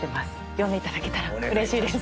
読んでいただけたらうれしいです。